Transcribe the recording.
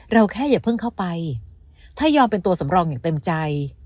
แค่อย่าเพิ่งเข้าไปถ้ายอมเป็นตัวสำรองอย่างเต็มใจ